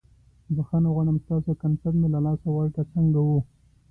بخښنه غواړم ستاسو کنسرت مې له لاسه ورکړ، څنګه وه؟